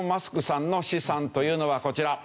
さんの資産というのがこちら。